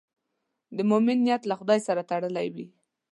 د مؤمن نیت له خدای سره تړلی وي.